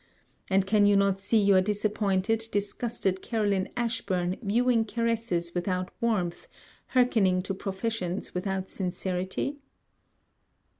And can you not see your disappointed, disgusted Caroline Ashburn viewing caresses without warmth, hearkening to professions without sincerity?